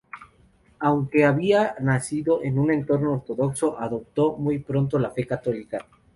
Aunque había nacido en un entorno ortodoxo, adoptó muy pronto la fe católica.